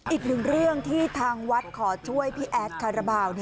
อีกหนึ่งเรื่องที่ทางวัดขอช่วยพี่แอดคาราบาล